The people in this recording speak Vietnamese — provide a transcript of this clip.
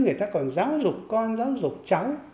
người ta còn giáo dục con giáo dục cháu